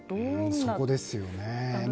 そこですよね。